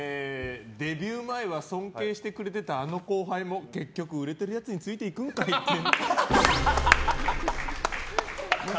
デビュー前は尊敬してくれてたあの後輩も結局、売れてるやつについていくんかいっぽい。